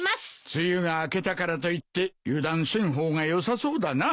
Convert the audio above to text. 梅雨が明けたからといって油断せん方がよさそうだな。